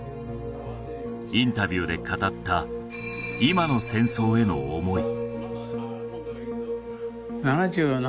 インタビューで語った今の戦争への思い